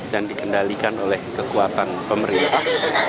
dan dikendalikan oleh kekuatan pemerintah